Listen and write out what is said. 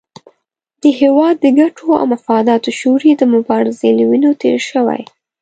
د هېواد د ګټو او مفاداتو شعور یې د مبارزې له وینو تېر شوی.